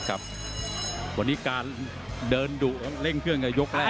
อันนี้การเดินดูเล่นเพื่อนกับยกแรก